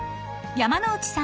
山之内さん